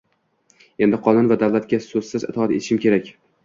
Endi qonun va davlatga so‘zsiz itoat etishim kerak!